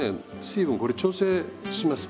水分これ調整します。